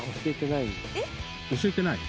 教えてない？